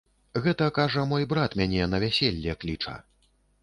Гэта, кажа, мой брат мяне на вяселле кліча.